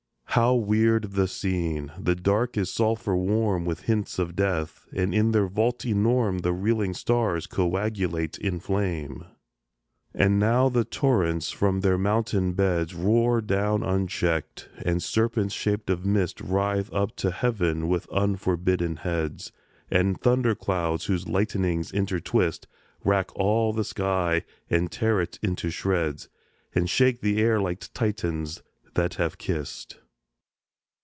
How weird the scene! The Dark is sulphur warm With hints of death; and in their vault enorme The reeling stars coagulate in flame. And now the torrents from their mountain beds Roar down uncheck'd; and serpents shaped of mist Writhe up to Heaven with unforbidden heads; And thunder clouds, whose lightnings intertwist, Rack all the sky, and tear it into shreds, And shake the air like Titians that have kiss'd!